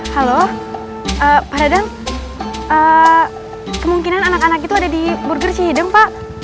halo pak dadang kemungkinan anak anak itu ada di burger cihideng pak